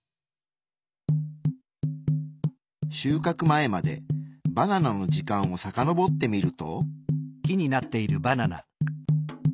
収かく前までバナナの時間をさかのぼってみると。